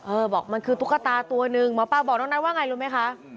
บอกมันคือตุ๊กตาตัวหนึ่งหมอปลาบอกน้องนัทว่าไงรู้ไหมคะ